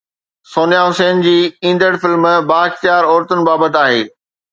سونيا حسين جي ايندڙ فلم بااختيار عورتن بابت آهي